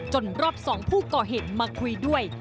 รอบ๒ผู้ก่อเหตุมาคุยด้วย